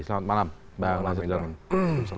selamat malam bang nasir jamil